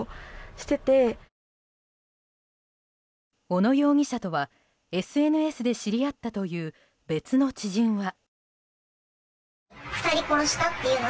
小野容疑者とはＳＮＳで知り合ったという別の知人は。